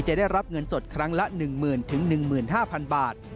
ได้รับเงินสดครั้งละ๑๐๐๐๑๕๐๐๐บาท